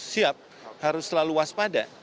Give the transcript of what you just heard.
siap harus selalu waspada